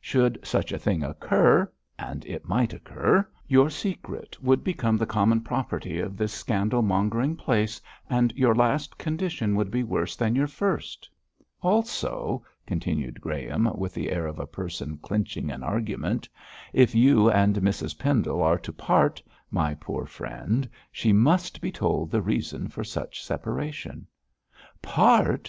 Should such a thing occur and it might occur your secret would become the common property of this scandalmongering place, and your last condition would be worse than your first. Also,' continued Graham, with the air of a person clinching an argument, 'if you and Mrs Pendle are to part, my poor friend, she must be told the reason for such separation.' 'Part!'